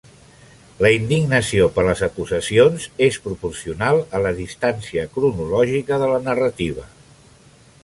La indignació per les acusacions és proporcional a la distància cronològica de la narrativa.